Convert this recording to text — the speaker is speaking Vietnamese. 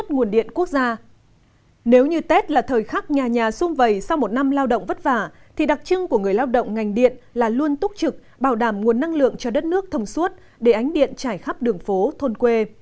nếu như tết là thời khắc nhà nhà xung vầy sau một năm lao động vất vả thì đặc trưng của người lao động ngành điện là luôn túc trực bảo đảm nguồn năng lượng cho đất nước thông suốt để ánh điện trải khắp đường phố thôn quê